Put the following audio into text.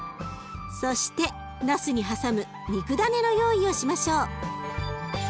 そしてなすにはさむ肉だねの用意をしましょう。